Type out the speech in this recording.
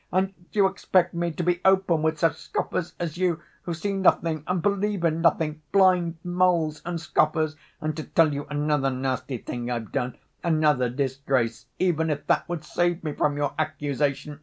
And you expect me to be open with such scoffers as you, who see nothing and believe in nothing, blind moles and scoffers, and to tell you another nasty thing I've done, another disgrace, even if that would save me from your accusation!